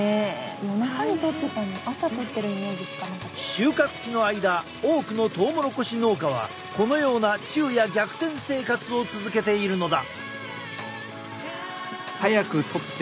収穫期の間多くのトウモロコシ農家はこのような昼夜逆転生活を続けているのだ。